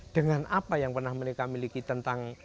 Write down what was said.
dengan apa yang pernah mereka miliki tentang